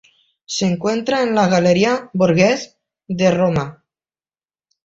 Se encuentra en la Galería Borghese de Roma.